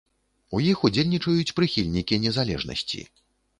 У іх удзельнічаюць прыхільнікі незалежнасці.